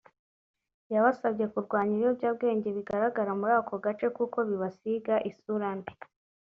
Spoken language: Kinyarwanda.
yabasabye kurwanya ibiyobyabwenge bigaragara muri ako gace kuko bibasiga isura mbi